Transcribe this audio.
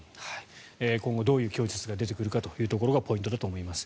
今後どういう供述が出てくるかがポイントだと思います。